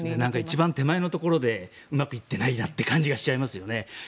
一番手前のところでうまくいっていないなという感じがしちゃいますよね。